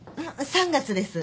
３月です。